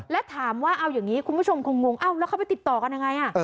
และถามว่าเอาอย่างนี้คุณผู้ชมคงงเอ้าแล้วเขาไปติดต่อกันยังไง